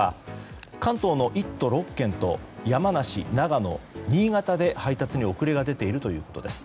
関東の１都６県と山梨、長野、新潟で配達に遅れが出ているということです。